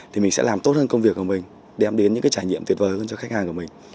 thì mình sẽ làm tốt hơn công việc của mình đem đến những cái trải nghiệm tuyệt vời hơn cho khách hàng của mình